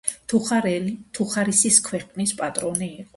თუხარელი თუხარისის ქვეყნის პატრონი იყო.